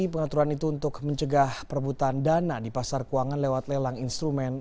pengaturan itu untuk mencegah perbutan dana di pasar keuangan lewat lelang instrumen